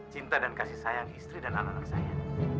cinta dan kasih sayang istri dan anak anak saya